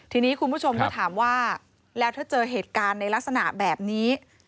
ทีนี้คุณผู้ชมก็ถามว่าแล้วถ้าเจอเหตุการณ์ในลักษณะแบบนี้